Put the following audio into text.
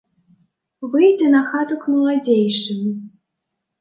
Выйдзе на хату к маладзейшым.